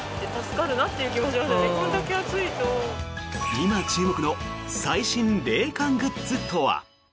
今注目の最新冷感グッズとは。